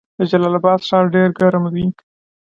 د جلال اباد ښار ډیر ګرم دی